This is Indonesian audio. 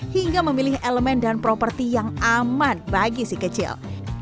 hingga memilih elemen dan properti yang aman bagi si kecil